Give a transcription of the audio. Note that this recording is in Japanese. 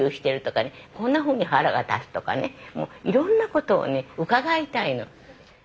こんなふうに腹が立つとかねいろんなことをね伺いたいの。